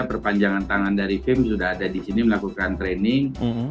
perpanjangan tangan dari tim sudah ada di sini melakukan training